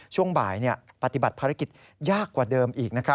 ช่วงบ่ายปฏิบัติภารกิจยากกว่าเดิมอีก